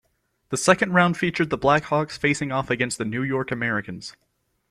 The second round featured the Black Hawks facing off against the New York Americans.